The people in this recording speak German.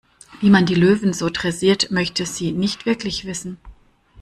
Wie man die Löwen so dressiert, möchten Sie nicht wirklich wissen.